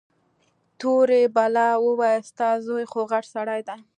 تورې بلا وويل ستا زوى خوغټ سړى دى.